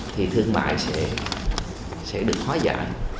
thì thương mại sẽ được hóa giải